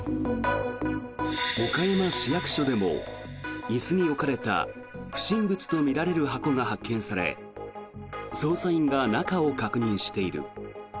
岡山市役所でも椅子に置かれた不審物とみられる箱が発見され捜査員が中を確認している。